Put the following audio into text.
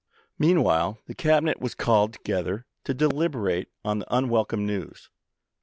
Meanwhile, the Cabinet was called together to deliberate on the unwelcome news.